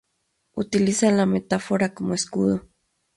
Utiliza la metáfora como escudo.